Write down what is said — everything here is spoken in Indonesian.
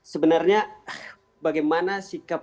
sebenarnya bagaimana sikap